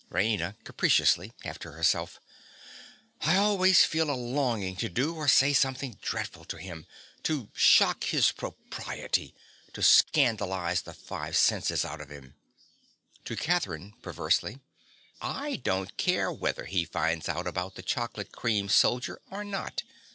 RAINA. (capriciously—half to herself). I always feel a longing to do or say something dreadful to him—to shock his propriety—to scandalize the five senses out of him! (To Catherine perversely.) I don't care whether he finds out about the chocolate cream soldier or not.